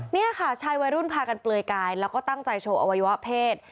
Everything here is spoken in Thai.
นี่ค่ะชายวัยรุ่นพากันเปลือยกายแล้วก็ตั้งใจโชว์อวัยวะเพศ